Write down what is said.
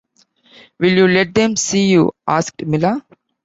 “Will you let them see you?” asked Mila.